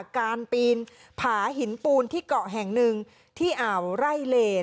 การปีนผาหินปูนที่เกาะแห่งหนึ่งที่อ่าวไร่เล